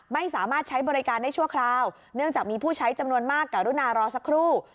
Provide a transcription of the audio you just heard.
ไม่สามารถใช้บริการได้ชั่วคราวเนื่องจากมีผู้ใช้จำนวนมากการุณารอสักครู่